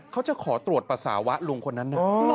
เขาจะขอตรวจปัสสาวะลุงคนนั้นนะ